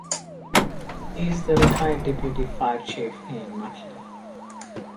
He is the Retired Deputy Fire Chief in Nutley.